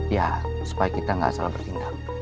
ya supaya kita nggak salah bertindak